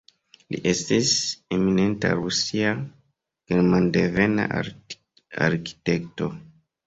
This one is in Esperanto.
Li estis eminenta rusia, germandevena arkitekto.